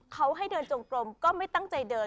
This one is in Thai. เขาให้เดินจงกลมก็ไม่ตั้งใจเดิน